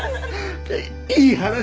いい話！